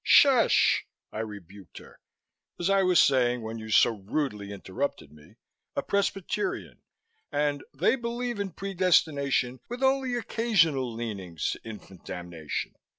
"Shush!" I rebuked her. "As I was saying when you so rudely interrupted me, a Presbyterian, and they believe in predestination with only occasional leanings to infant damnation.